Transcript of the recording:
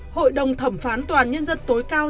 hội đồng thẩm phán toàn nhân dân tối cao